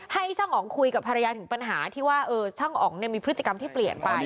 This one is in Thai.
ให้ช่างอ๋องคุยกับภรรยาถึงปัญหาที่ว่าช่างอ๋องมีพฤติกรรมที่เปลี่ยนไป